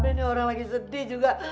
ini orang lagi sedih juga